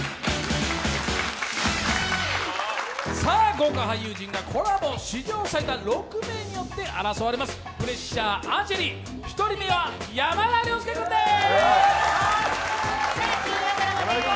豪華俳優陣がコラボ、史上最多６名によって争われます、「重圧アーチェリー」１人目は山田涼介君です。